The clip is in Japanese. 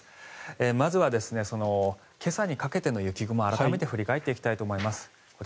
まずは、今朝にかけての雪雲改めて振り返っていきたいと思います。